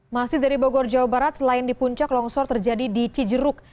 masih dari bogor jawa barat selain di puncak longsor terjadi di cijeruk